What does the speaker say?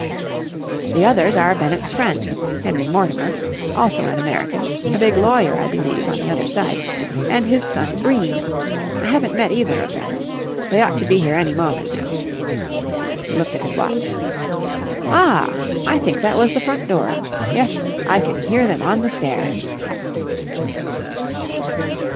The others are Bennett's friend, Henry Mortimer, also an American—a big lawyer, I believe, on the other side—and his son Bream. I haven't met either of them. They ought to be here any moment now." He looked at his watch. "Ah! I think that was the front door. Yes, I can hear them on the stairs."